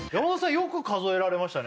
よく数えられましたね